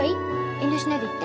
遠慮しないで言って。